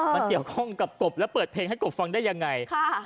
มันเกี่ยวข้องกับกบและเปิดเพลงให้กบฟังได้ยังไง